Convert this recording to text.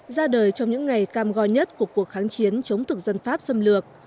ra đời trong những ngày cam go nhất của cuộc kháng chiến chống thực dân pháp xâm lược